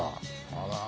あら